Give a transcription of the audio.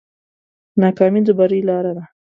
ناکامي د بری لاره ده.